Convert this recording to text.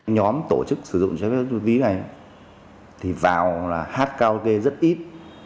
nhóm tổ chức sử dụng chai phép chất ma túy này thì vào là hát karaoke rất ít